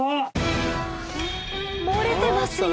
漏れてますよ！